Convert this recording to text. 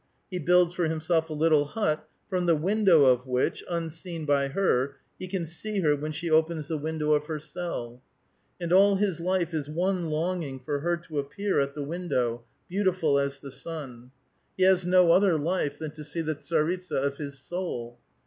He builds for himself a little hut, from the window of which, unseen by her, he can see her when she opens the window of her cell. And all his life is one lopging for her to appear at the wiu« 872 A VITAL QUESTION. dow, beautiful as th^ sun. He has no other life than to see the tsaritsa of his soul.